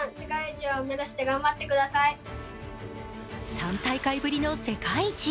３大会ぶりの世界一へ。